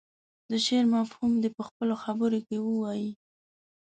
د شعر مفهوم دې په خپلو خبرو کې ووايي.